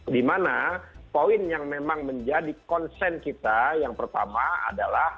dimana poin yang memang menjadi konsen kita yang pertama adalah